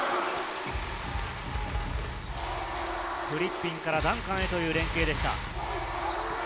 フリッピンからダンカンへという連携でした。